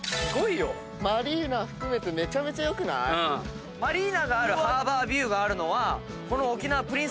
マリーナ含めてめちゃめちゃよくない⁉マリーナがあるハーバービューがあるのはこの沖縄プリンスホテルが唯一の場所。